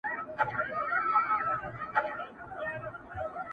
چي پکښي و لټوو لار د سپین سبا په لوري،